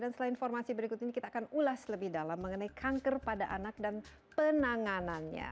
dan selain informasi berikut ini kita akan ulas lebih dalam mengenai kanker pada anak dan penanganannya